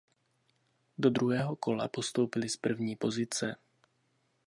Do druhého kola postoupili z první pozice.